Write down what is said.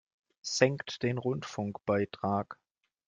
Senkt den Rundfunkbeitrag!